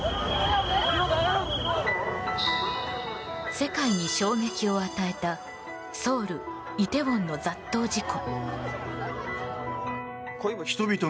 世界に衝撃を与えたソウル・イテウォンの雑踏事故。